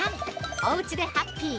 おうちでハッピー